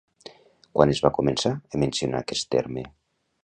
Quan es va començar a mencionar aquest terme?